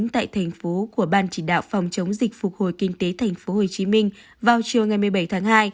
tại thành phố của ban chỉ đạo phòng chống dịch phục hồi kinh tế tp hcm vào chiều ngày một mươi bảy tháng hai